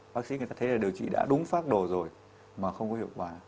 bác sĩ người ta thấy là điều trị đã đúng phác đồ rồi mà không có hiệu quả